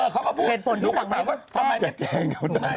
เขาก็พูดหนุ่มกัญชัยก็สั่งว่าอย่าแกล้งเขาด้วย